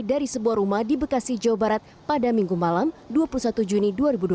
dari sebuah rumah di bekasi jawa barat pada minggu malam dua puluh satu juni dua ribu dua puluh